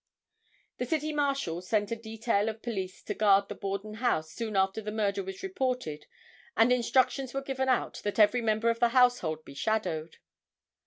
The City Marshal sent a detail of police to guard the Borden house soon after the murder was reported and instructions were given out that every member of the household be shadowed.